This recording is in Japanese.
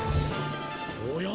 「おや？